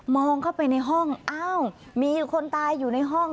เข้าไปในห้องอ้าวมีคนตายอยู่ในห้อง